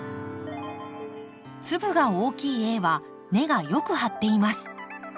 粒が大きいＡは根がよく張っています。